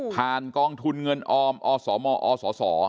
กองทุนเงินออมอสมอส